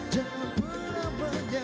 jangan pernah menyerah